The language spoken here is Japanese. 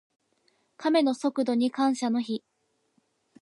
カメの速度に感謝の日。